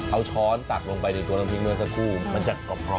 เอาช้อนตักลงไปในตัวลำนิ่งเมื่อสักครู่มันจะกรอบพร้อม